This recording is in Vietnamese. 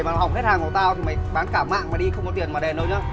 sơ sẩy mà hỏng hết hàng của tao thì mày bán cả mạng mà đi không có tiền mà đèn đâu nhá